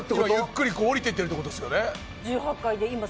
ゆっくり降りていってるてことですね。